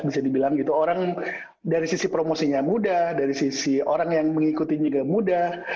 bisa dibilang gitu orang dari sisi promosinya mudah dari sisi orang yang mengikuti juga mudah